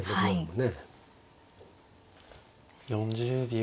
４０秒。